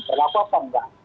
pernah atau enggak